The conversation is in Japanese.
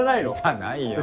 ないよ。